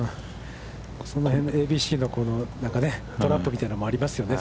その辺のＡＢＣのなんかね、トラップみたいなものがありますよね。